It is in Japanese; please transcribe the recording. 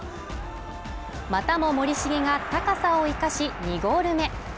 またも森重が高さを生かし２ゴール目。